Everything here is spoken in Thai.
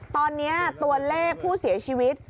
ตอนนี้ตัวเลขผู้เสียชีวิต